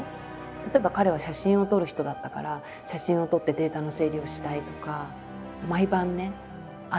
例えば彼は写真を撮る人だったから写真を撮ってデータの整理をしたいとか。